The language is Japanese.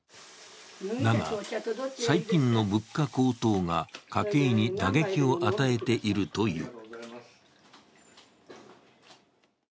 だが、最近の物価高騰が家計に打撃を与えているという。